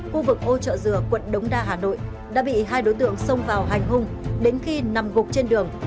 khu vực ô trợ dừa quận đống đa hà nội đã bị hai đối tượng xông vào hành hung đến khi nằm gục trên đường